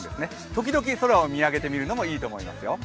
時々、空を見上げてみるのもいいと思いますよ。